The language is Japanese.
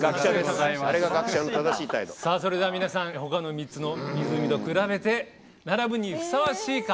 それでは皆さんほかの３つの湖と比べて並ぶにふさわしいか？